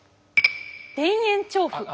田園調布。